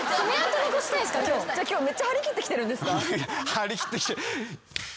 張り切って来て。